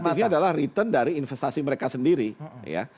motifnya adalah return dari investasi mereka sendiri ya